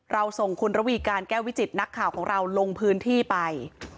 ส่งคุณระวีการแก้ววิจิตนักข่าวของเราลงพื้นที่ไป